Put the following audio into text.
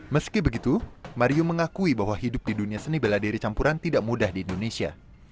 meski begitu mario mengakui bahwa hidup di dunia seni bela diri campuran tidak mudah di indonesia